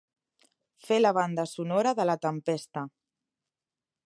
Fer la banda sonora de la tempesta.